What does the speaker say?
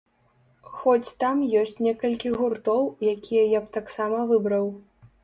Хоць там ёсць некалькі гуртоў, якія я б таксама выбраў.